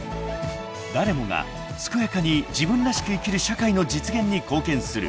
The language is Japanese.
［誰もが健やかに自分らしく生きる社会の実現に貢献する。